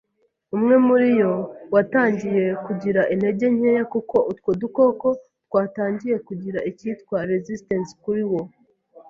umwe muri yo watangiye kugira intege nkeya kuko utwo dukoko twatangiye kugira ikitwa 'resistance' kuri wo".